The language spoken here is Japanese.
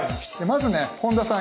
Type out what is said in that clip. まずね本田さん